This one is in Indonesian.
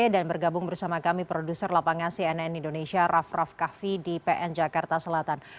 dan bergabung bersama kami produser lapangan cnn indonesia raff raff kahvi di pn jakarta selatan